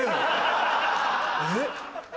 えっ？